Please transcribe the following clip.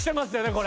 これ。